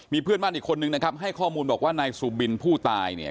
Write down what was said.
เพื่อนบ้านอีกคนนึงนะครับให้ข้อมูลบอกว่านายสุบินผู้ตายเนี่ย